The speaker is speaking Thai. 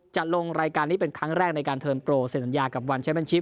จะลงรายการนี้เป็นครั้งแรกในการเทิร์นโปรเซ็นสัญญากับวันใช้เป็นชิป